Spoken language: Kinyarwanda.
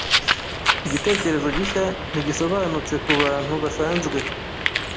Igitekerezo gishya ntigisobanutse kubantu basanzwe.